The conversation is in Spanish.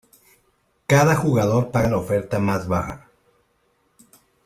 Cada jugador paga la oferta más baja.